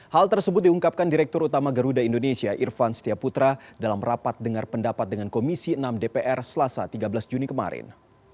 hal tersebut diungkapkan direktur utama garuda indonesia irvan setiaputra dalam rapat dengar pendapat dengan komisi enam dpr selasa tiga belas juni kemarin